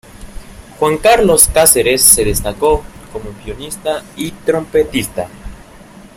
Juan Carlos Cáceres se destacó como pianista y trompetista.